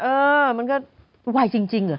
เออมันก็วายจริงอะ